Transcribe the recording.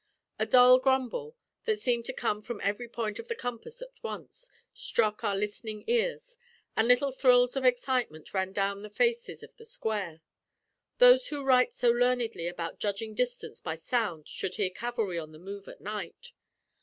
A dull grumble, that seemed to come from every point of the compass at once, struck our listening ears, and little thrills of excitement ran down the faces of the square. Those who write so learnedly about judging distance by sound should hear cavalry on the move at night.